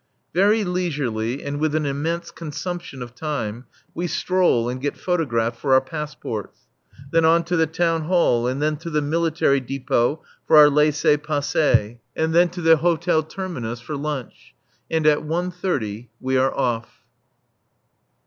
Very leisurely, and with an immense consumption of time, we stroll and get photographed for our passports. Then on to the Town Hall, and then to the Military Depôt for our Laissez passer, and then to the Hôtel Terminus for lunch. And at one thirty we are off.